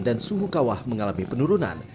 dan suhu kawah mengalami penurunan